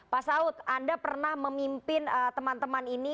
pak saud anda pernah memimpin teman teman ini